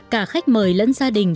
cả khách mời lẫn gia đình